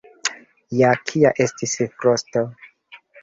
Ja kia estis frosto.